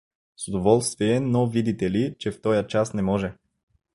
— С удоволствие, но видите ли, че в тоя час не може.